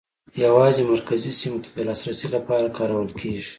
یوازې مرکزي سیمو ته د لاسرسي لپاره کارول کېږي.